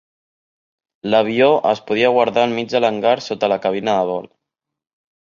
L"avió es podia guardar al mig de l"hangar sota la cabina de vol.